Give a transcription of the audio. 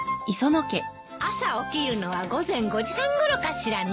朝起きるのは午前５時半ごろかしらね。